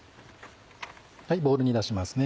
ボウルに出しますね。